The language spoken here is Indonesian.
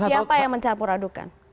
siapa yang mencampur adukkan